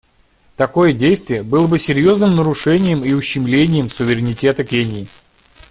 Такое действие было бы серьезным нарушением и ущемлением суверенитета Кении.